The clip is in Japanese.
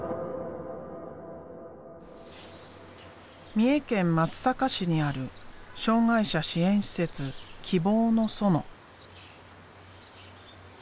三重県松阪市にある障害者支援施設「希望の園」。